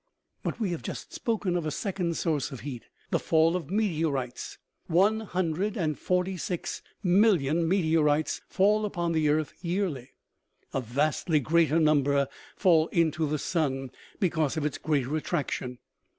But we have just spoken of a second source of heat : the fall of meteor ites. One hundred and forty six million meteorites fall upon the earth yearly. A vastly greater number fall into the sun, because of its greater attraction.